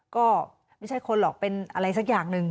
ก็ไม่ใช่คนหรอกเป็นอะไรสักอย่างหนึ่ง